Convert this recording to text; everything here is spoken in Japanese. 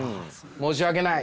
申し訳ない。